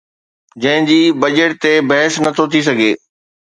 جنهن جي بجيٽ تي بحث نه ٿو ٿي سگهي